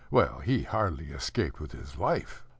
Well, he hardly escaped with his life.